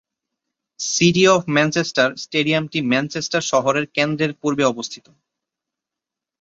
City of Manchester স্টেডিয়ামটি Manchester শহরের কেন্দ্রের পূর্বে অবস্থিত।